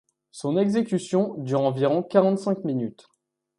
Son exécution dure environ quarante-cinq minutes.